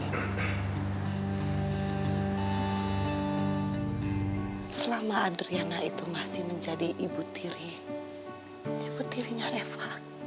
selama adriana itu masih menjadi ibu tiri ibu tirinya reva